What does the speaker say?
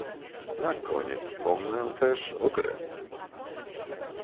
Na koniec wspomnę też o Grecji